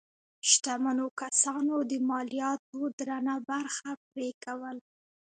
شتمنو کسانو د مالیاتو درنه برخه پرې کوله.